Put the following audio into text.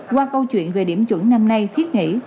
qua câu chuyện về điểm chuẩn năm nay thiết nghĩ